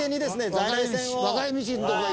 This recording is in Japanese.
在来線を。